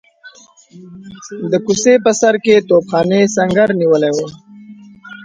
د کوڅې په سر کې توپخانې سنګر نیولی وو.